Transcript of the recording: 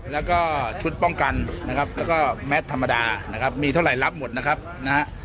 แล้วก็ชุดป้องกันนะครับแล้วก็แมทธรรมดานะครับมีเท่าไหร่รับหมดนะครับนะฮะ